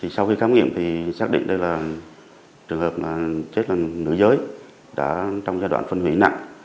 sau khi khám nghiệm thì xác định đây là trường hợp chết là nữ giới đã trong giai đoạn phân hủy nặng